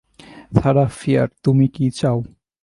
Sarah Fear, তুমি কি চাও?